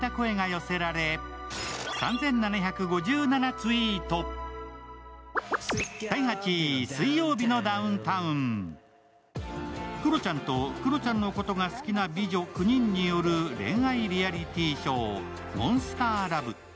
Ｔｗｉｔｔｅｒにはクロちゃんとクロちゃんのことが好きな美女９人による恋愛リアリティーショー「モンスターラブ」。